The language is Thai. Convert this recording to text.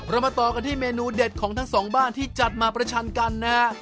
มาต่อกันที่เมนูเด็ดของทั้งสองบ้านที่จัดมาประชันกันนะฮะ